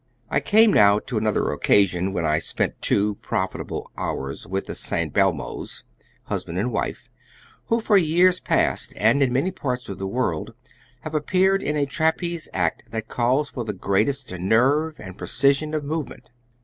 I come now to another occasion when I spent two profitable hours with the St. Belmos, husband and wife, who for years past and in many parts of the world have appeared in a trapeze act that calls for the greatest nerve and precision of movement.